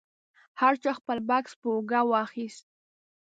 هر چا خپل بکس په اوږه واخیست.